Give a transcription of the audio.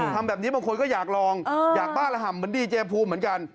ทำแบบนี้บางคนก็อยากลองอยากบ้าระห่ำเหมือนดีเจภูมิเหมือนกัน